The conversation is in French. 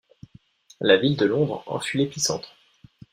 La ville de Londres en fut l'épicentre.